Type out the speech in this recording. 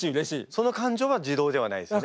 その感情は自動ではないですよね？